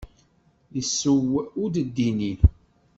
Yesseww udeddi-nni.